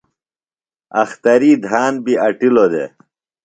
اختری دھان بیۡ اٹِلوۡ دےۡ۔